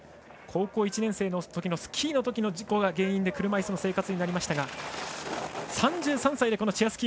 高校１年生のときのスキーのときの事故が原因で車いすの生活になりましたが３３歳でチェア